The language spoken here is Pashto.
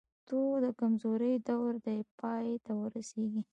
د پښتو د کمزورۍ دور دې پای ته ورسېږي.